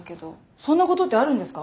そんなことってあるんですか？